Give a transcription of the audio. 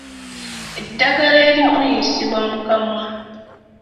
Eddagala erimu liyisibwa mu kamwa.